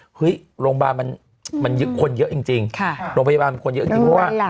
ห้อหิเฮ้ยฮหลงบ้านมันคนเยอะจริงลงพยาบาลบันที่มาก